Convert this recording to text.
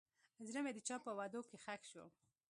زړه مې د چا په وعدو کې ښخ شو.